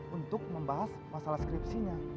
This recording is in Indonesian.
untuk membahas masalah skripsinya